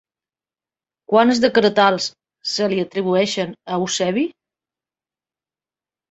Quants decretals se li atribueixen a Eusebi?